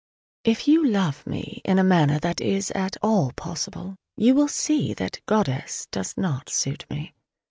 If you love me in a manner that is at all possible, you will see that "goddess" does not suit me.